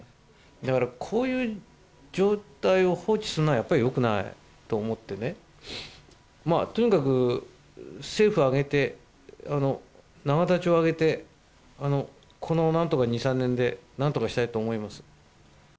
だから、こういう状態を放置するのは、やっぱりよくないと思ってね、まあ、とにかく政府挙げて、永田町挙げて、このなんとか２、３年でなんとかしたいと思います。